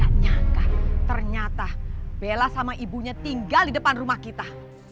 tak nyangka ternyata bella sama ibunya tinggal di depan rumah kita